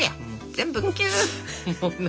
全部キュー！